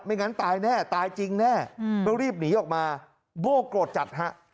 ไม่งั้นตายแน่ตายจริงแน่เพราะรีบหนีออกมาบ้อกรดจัดฮะ